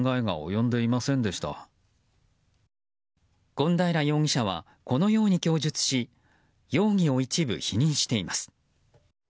権平容疑者はこのように供述し容疑を一部否認しています。